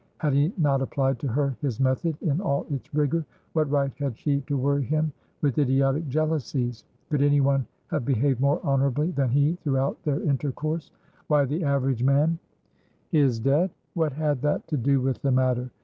Had he not applied to her his "method" in all its rigour? What right had she to worry him with idiotic jealousies? Could anyone have behaved more honourably than he throughout their intercourse? Why, the average man His debt? What had that to do with the matter?